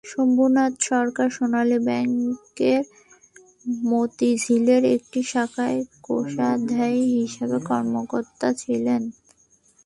শম্ভুনাথ সরকার সোনালী ব্যাংকের মতিঝিলের একটি শাখার কোষাধ্যক্ষ হিসেবে কর্মরত ছিলেন।